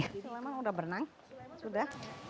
sudah berenang sudah